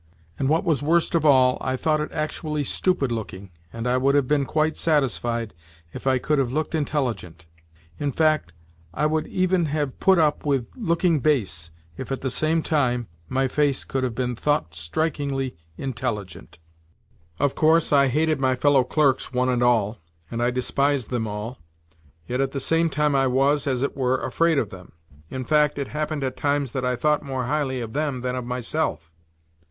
And what was worst of all, I thought it actually stupid looking, and I would have been quite satisfied if I could have looked intelligent. In fact, I would even have put up with looking base if, at the same time, my face could have been thought strikingly intelligent. Of course, I hated my fellow clerks one and all, and I des] them all. yet at the same time I was, as it were, afraid of them. In fact, it happened at times that I thought more highly of them than of myself.